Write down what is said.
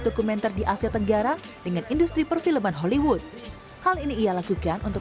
dokumenter di asia tenggara dengan industri perfilman hollywood hal ini ia lakukan untuk